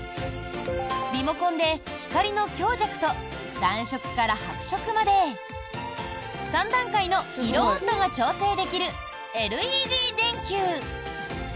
リモコンで光の強弱と暖色から白色まで３段階の色温度が調整できるＬＥＤ電球。